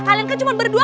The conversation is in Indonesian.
kalian kan cuma berdua